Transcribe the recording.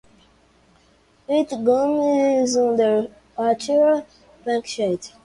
It comes under Oachira Panchayat.